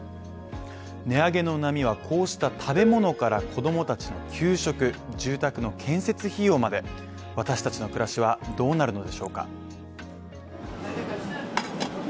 値上げの波はこうした食べ物から子供たちの給食住宅の建設費用まで私達の暮らしはどうなるのでしょうか？